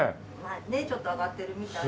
ねえちょっと上がってるみたいで。